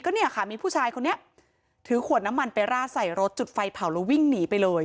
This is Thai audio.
เนี่ยค่ะมีผู้ชายคนนี้ถือขวดน้ำมันไปราดใส่รถจุดไฟเผาแล้ววิ่งหนีไปเลย